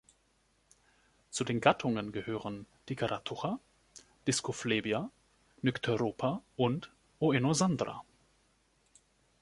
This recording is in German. Zu den Gattungen gehören „Diceratucha", „Discophlebia", „Nycteropa" und „Oenosandra".